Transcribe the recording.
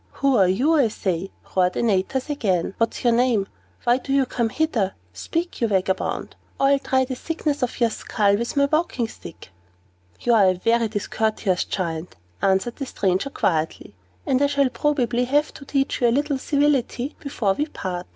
"Who are you, I say?" roared Antaeus again. "What's your name? Why do you come hither? Speak, you vagabond, or I'll try the thickness of your skull with my walking stick!" "You are a very discourteous Giant," answered the stranger quietly, "and I shall probably have to teach you a little civility, before we part.